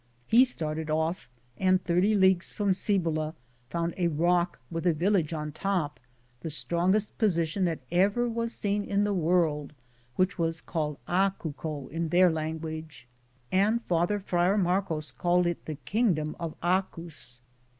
He started off, and 30 leagues from Cibola found a rock with a village on top, the strongest position that ever was seen in the world, which was called Acuco ' in their lan guage, and father Friar Marcos called it the kingdom of Hacus.